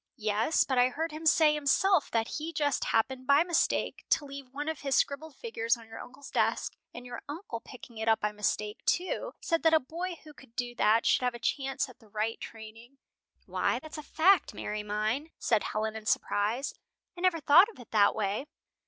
"Yes, but I heard him say himself that he just happened, by mistake, to leave one of his scribbled figures on your uncle's desk, and your uncle, picking it up by mistake, too, said that a boy who could do that should have a chance at the right training." "Why, that's a fact, Mary mine," said Helen, in surprise. "I never thought of it in that way.